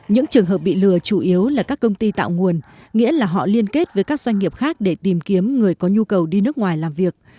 những trường hợp bị lừa chủ yếu là các công ty tạo nguồn nghĩa là họ liên kết với các doanh nghiệp khác để tìm kiếm người có nhu cầu đi nước ngoài làm việc